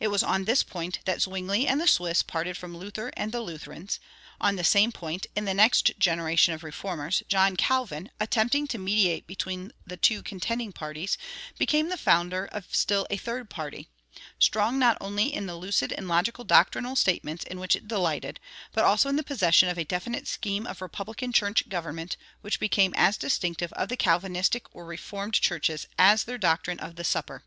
It was on this point that Zwingli and the Swiss parted from Luther and the Lutherans; on the same point, in the next generation of Reformers, John Calvin, attempting to mediate between the two contending parties, became the founder of still a third party, strong not only in the lucid and logical doctrinal statements in which it delighted, but also in the possession of a definite scheme of republican church government which became as distinctive of the Calvinistic or "Reformed" churches as their doctrine of the Supper.